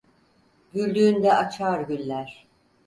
Güldüğünde açar güller.